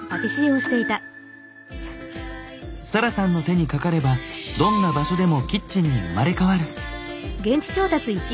サラさんの手にかかればどんな場所でもキッチンに生まれ変わる。